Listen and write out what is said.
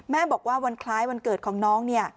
บอกว่าวันคล้ายวันเกิดของน้องเนี่ย